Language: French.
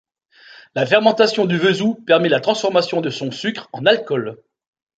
La fermentation du vesou permet la transformation de son sucre en alcool.